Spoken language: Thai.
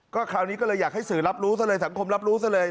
คราวนี้ก็เลยอยากให้สื่อรับรู้ซะเลยสังคมรับรู้ซะเลย